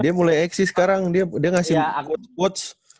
dia mulai eksis sekarang dia ngasih quotes